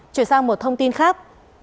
chuyển sang một thông tin khác